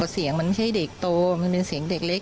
เสียงมันใช่เด็กโตมันเป็นเสียงเด็กเล็ก